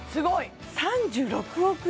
３６億円！